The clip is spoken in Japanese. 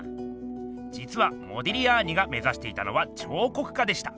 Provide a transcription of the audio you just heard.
じつはモディリアーニが目ざしていたのは彫刻家でした。